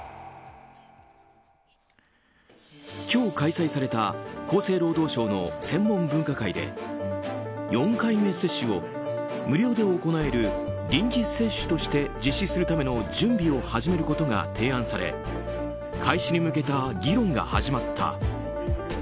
今日開催された、厚生労働省の専門分科会で４回目接種を無料で行える臨時接種として実施するための準備を始めることが提案され開始に向けた議論が始まった。